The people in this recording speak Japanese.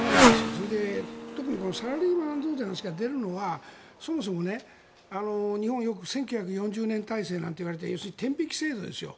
それで特にサラリーマン増税の話が出るのはそもそも、日本よく１９４０年体制なんて言われて天引き制度ですよ。